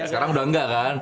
sekarang udah nggak kan